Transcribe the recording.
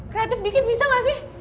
kreatif dikit bisa gak sih